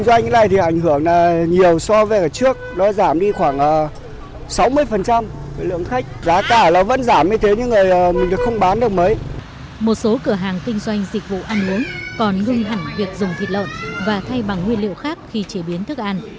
một số cửa hàng kinh doanh dịch vụ ăn uống còn ngưng hẳn việc dùng thịt lợn và thay bằng nguyên liệu khác khi chế biến thức ăn